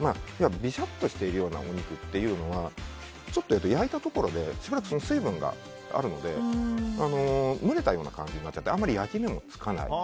びしゃっとしているようなお肉というのはちょっと焼いたところでしばらく水分があるので蒸れたような感じになっちゃってあんまり焼き目もつかない。